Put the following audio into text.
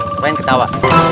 kenapa yang ketawa